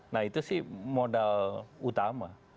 nah itu sih modal utama